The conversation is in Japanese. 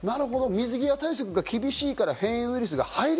水際対策が厳しいから変異ウ